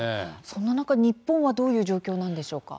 そんな中、日本はどういう状況なんでしょうか？